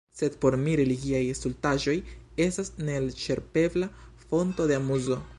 Sed por mi religiaj stultaĵoj estas neelĉerpebla fonto de amuzo.